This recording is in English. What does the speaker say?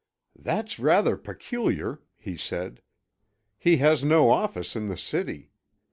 "That's rather peculiar," he said. "He has no office in the city.